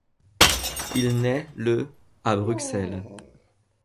Il naît le à Bruxelles.